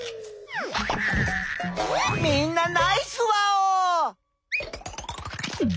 みんなナイスワオー！